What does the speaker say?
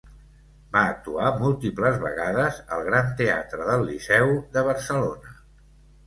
Va actuar múltiples vegades al Gran Teatre del Liceu de Barcelona.